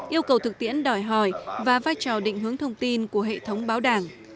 yêu cầu thực tiễn đòi hỏi và vai trò định hướng thông tin của hệ thống báo đảng